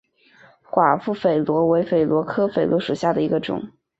寡妇榧螺为榧螺科榧螺属下的一个种。